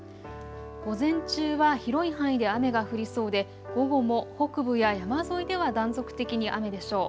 午前中は広い範囲で雨が降りそうで午後も北部や山沿いでは断続的に雨でしょう。